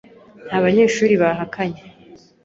Nta banyeshuri bahakanye.